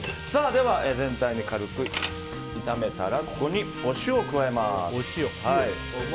では全体を軽く炒めたらここにお塩を加えます。